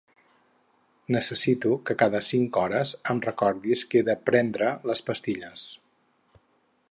Necessito que cada cinc hores em recordis que he de prendre les pastilles.